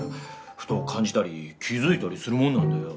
ふと感じたり気づいたりするもんなんだよ。